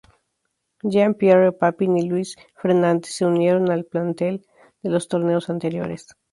Jean-Pierre Papin y Luis Fernández se unieron al plantel de los torneos anteriores.